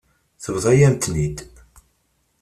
Tebḍa-yam-ten-id.